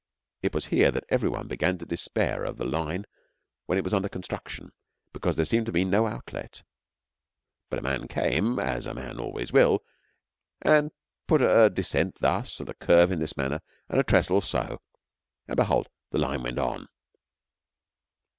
It was here that every one began to despair of the line when it was under construction, because there seemed to be no outlet. But a man came, as a man always will, and put a descent thus and a curve in this manner, and a trestle so; and behold, the line went on.